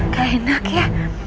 gak enak ya